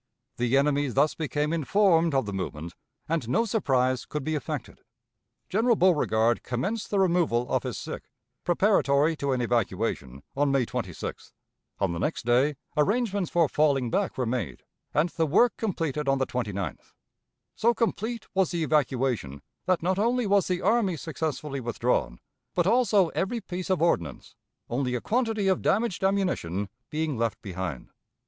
The enemy thus became informed of the movement, and no surprise could be effected. General Beauregard commenced the removal of his sick, preparatory to an evacuation, on May 26th; on the next day arrangements for falling back were made, and the work completed on the 29th. So complete was the evacuation, that not only was the army successfully withdrawn, but also every piece of ordnance, only a quantity of damaged ammunition being left behind.